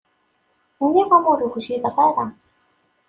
Nniɣ-am ur wjideɣ ara.